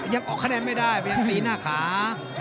ยังออกคะแนนไม่ได้ยังหนีหน้าขา